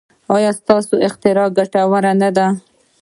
ایا ستاسو اختراع ګټوره نه ده؟